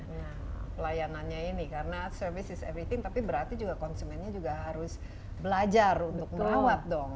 nah pelayanannya ini karena service is everything tapi berarti juga konsumennya juga harus belajar untuk merawat dong